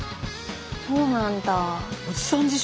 そうなんだ。